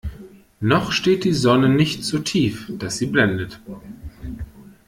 Noch steht die Sonne nicht so tief, dass sie blendet.